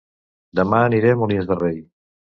Dema aniré a Molins de Rei